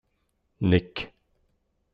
Nek!